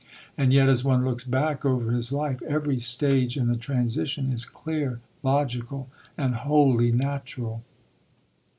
And yet, as one looks back over his life, every stage in the transition is clear, logical, and wholly natural.